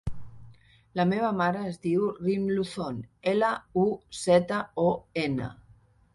La meva mare es diu Rim Luzon: ela, u, zeta, o, ena.